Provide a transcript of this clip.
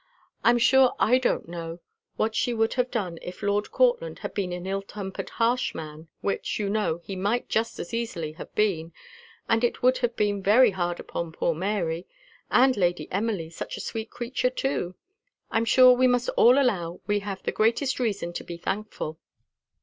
"I'm sure I don't know what she would have done if Lord Courtland had been an ill tempered harsh man, which, you know, he might just as easily have been; and it would really have been very hard upon poor Mary and Lady Emily such a sweet creature too! I'm sure we must all allow we have the greatest reason to be thankful."